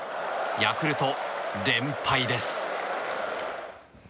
ヤクルト、連敗です。